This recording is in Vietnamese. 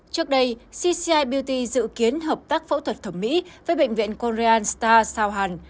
trước đây cci beauty dự kiến hợp tác phẫu thuật thẩm mỹ với bệnh viện korean star sao hàn